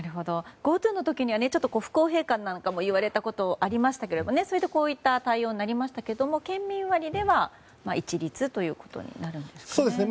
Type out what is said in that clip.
ＧｏＴｏの時には不公平感なども言われたこと、ありましたがそれでこういった対応になりましたが県民割では一律となるんですかね？